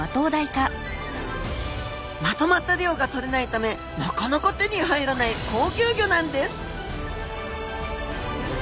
まとまった量がとれないためなかなか手に入らない高級魚なんです